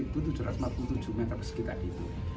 terus sekitar itu